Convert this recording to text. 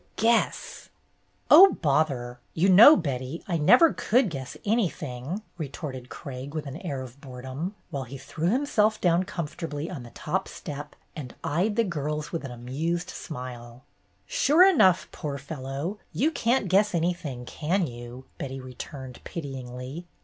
Guess!" "Oh, bother! You know, Betty, I never could guess anything," retorted Craig, with an air of boredom, while he threw himself down comfortably on the top step and eyed the girls with an amused smile. "Sure enough, poor fellow! You can't guess anything, can you?" Betty returned, pityingly.